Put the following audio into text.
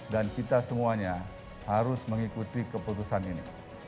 dan kita semuanya harus mengikuti keputusan ini